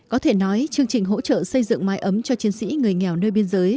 có thể nói chương trình hỗ trợ xây dựng mái ấm cho chiến sĩ người nghèo nơi biên giới